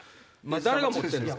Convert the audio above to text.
誰が持ってんの？